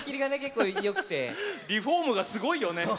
リフォームがすごいよね。